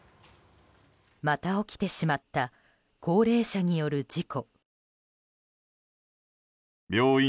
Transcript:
また起きてしまった高齢者による事故。